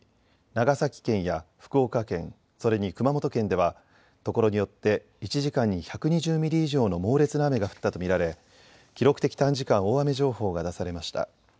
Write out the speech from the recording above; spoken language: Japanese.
長崎県や福岡県、それに熊本県ではところによって１時間に１２０ミリ以上の猛烈な雨が降ったと見られ記録的短時間大雨情報が出されました。